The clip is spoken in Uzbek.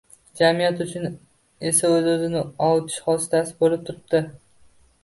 jamiyat uchun esa o‘z-o‘zini ovutish vositasi bo‘lib turibdi.